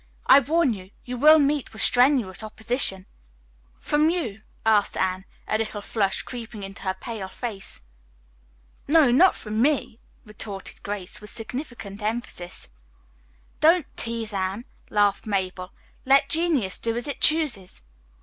"I warn you, you will meet with strenuous opposition." "From you?" asked Anne, a little flush creeping into her pale face. "No, not from me," retorted Grace with significant emphasis. "Don't tease Anne," laughed Mabel. "Let Genius do as it chooses."